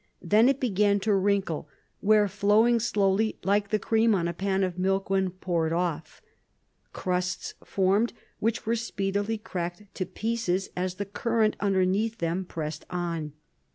Then it began to wrinkle, where flowing slowly, like the cream on a pan of milk when poured off. Crusts formed, which were speedily cracked to pieces, as the current underneath pressed on.